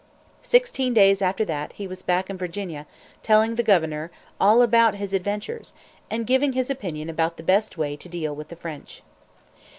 Sixteen days after that, he was back in Virginia, telling the governor all about his adventures, and giving his opinion about the best way to deal with the French.